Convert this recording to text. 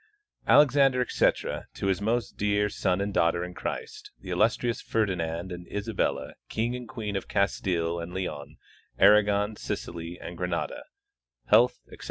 (Translation.) Alexander, etc., to his most dear son and daughter in Christ, the illustrious Ferdinand and Isabella, King and Queen of Castile and Leon, Aragon, Sicily and Granada, health, etc.